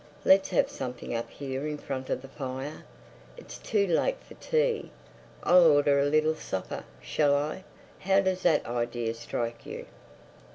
Let's have something up here in front of the fire. It's too late for tea. I'll order a little supper, shall I? How does that idea strike you?"